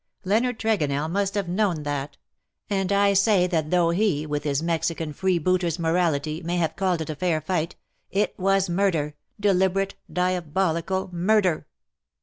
Leonard Tregonell must have known that. And I say that though he, with his Mexican freebooter's morality, may have called it a fair fight, it was murder, deliberate, diabolical murder."